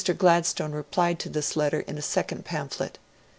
Gladstone replied to this letter in a second pamphlet.